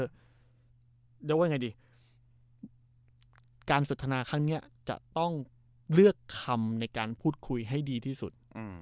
เรียกว่าไงดีการสนทนาครั้งนี้จะต้องเลือกคำในการพูดคุยให้ดีที่สุด